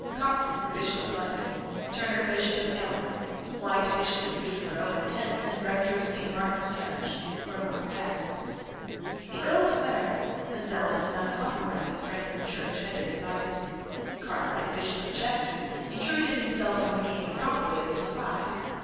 Compton, Bishop of London, Turner, Bishop of Ely, White, Bishop of Peterborough, and Tenison, Rector of St. Martin's parish, were among the guests. The Earl of Clarendon, a zealous and uncompromising friend of the Church, had been invited. Cartwright, Bishop of Chester, intruded himself on the meeting, probably as a spy.